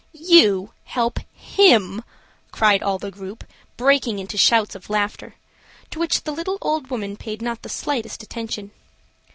"You help him!" cried all the group breaking into shouts of laughter, to which the little old woman paid not the slightest attention.